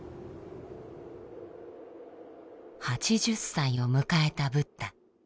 ８０歳を迎えたブッダ。